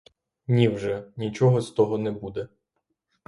Ні вже, нічого з того не буде.